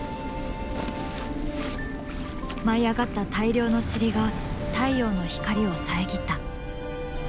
舞い上がった大量のチリが太陽の光を遮った。